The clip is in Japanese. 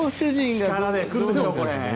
力で来るでしょこれ。